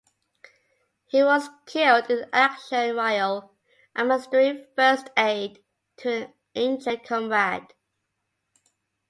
He was killed in action while administering first aid to an injured comrade.